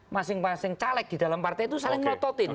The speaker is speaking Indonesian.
masing masing caleg di dalam partai itu saling ngototin